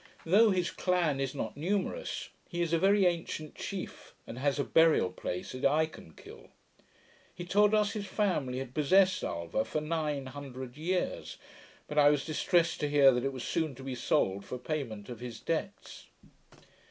Though his clan is not numerous, he is a very ancient chief, and has a burial place at Icolmkill. He told us, his family had possessed Ulva for nine hundred years; but I was distressed to hear that it was soon to be sold for the payment of his debts.